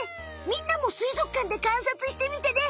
みんなもすいぞくかんでかんさつしてみてね！